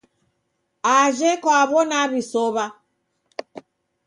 Ajhe kwaw'o naw'isow'a